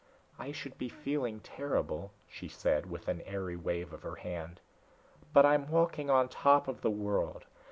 "I should be feeling terrible," she said, with an airy wave of her hand. "But I'm walking on top of the world.